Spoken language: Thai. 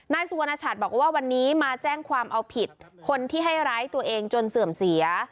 สุวรรณชัดบอกว่าวันนี้มาแจ้งความเอาผิดคนที่ให้ร้ายตัวเองจนเสื่อมเสีย